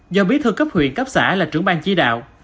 do biết thưa cấp huyện cấp xã là trưởng ban chỉ đạo